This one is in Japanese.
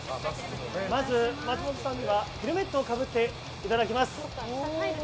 まず、松本さんにはヘルメットをかぶっていただきます。